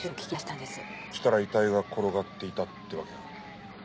そしたら遺体が転がっていたってわけか？